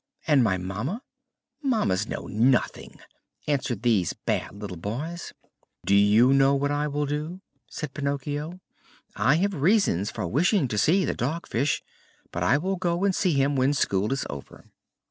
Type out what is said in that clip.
"And my mamma?" "Mammas know nothing," answered those bad little boys. "Do you know what I will do?" said Pinocchio. "I have reasons for wishing to see the Dog Fish, but I will go and see him when school is over."